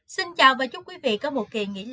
xin chào và chúc quý vị có một kỳ nghỉ lễ an toàn